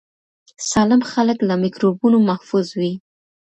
سالم خلک له میکروبونو محفوظ وي.